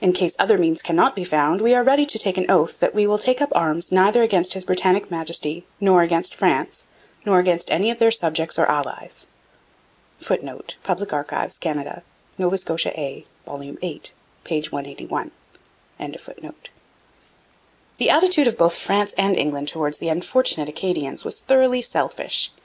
In case other means cannot be found, we are ready to take an oath, that we will take up arms neither against His Britannic Majesty, nor against France, nor against any of their subjects or allies.' [Footnote: Public Archives, Canada. Nova Scotia A, vol. viii, p. 181 et seq.] The attitude of both France and England towards the unfortunate Acadians was thoroughly selfish.